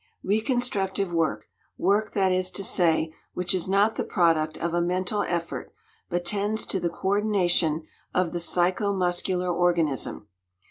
"Reconstructive" work work, that is to say, which is not the product of a "mental effort," but tends to the coordination of the psycho muscular organism.